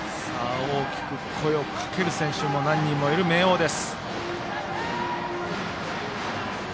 大きく声をかける選手が何人もいる明桜です。